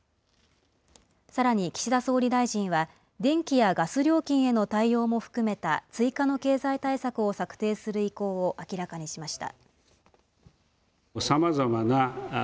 さらに岸田総理大臣は、電気やガス料金への対応も含めた追加の経済対策を策定する意向を明らかにしました。